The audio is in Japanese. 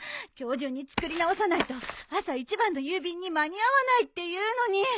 今日中に作り直さないと朝一番の郵便に間に合わないっていうのに。